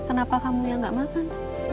kenapa kamu yang nggak makan